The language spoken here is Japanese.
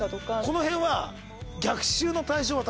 この辺は。